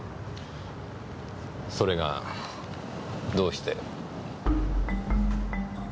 それがどうして？